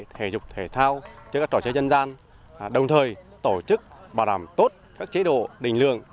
thể dục thể thao cho các trò chơi dân gian đồng thời tổ chức bảo đảm tốt các chế độ đình lượng